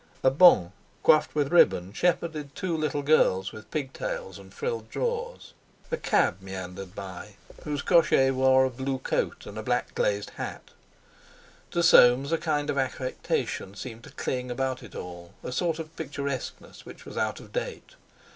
A "bonne" coiffed with ribbon shepherded two little girls with pig tails and frilled drawers. A cab meandered by, whose cocher wore a blue coat and a black glazed hat. To Soames a kind of affectation seemed to cling about it all, a sort of picturesqueness which was out of date.